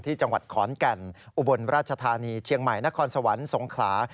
ที่จังหวัดขอนแก่นอุบลราชธานีเชียงใหม่นครสวรรค์สงขลา